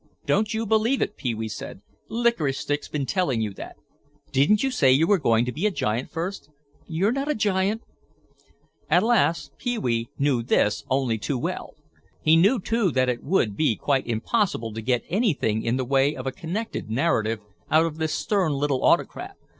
"Don't you believe it," Pee wee said; "Licorice Stick's been telling you that. Didn't you say you were going to be a giant first?" "You're not a giant." Alas, Pee wee knew this only too well. He knew too that it would be quite impossible to get anything in the way of a connected narrative out of this stern little autocrat.